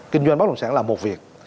kinh doanh bắt đồng sản là một việc